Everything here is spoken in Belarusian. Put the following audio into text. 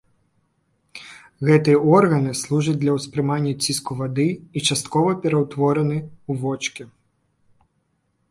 Гэтыя органы служаць для ўспрымання ціску вады і часткова пераўтвораны ў вочкі.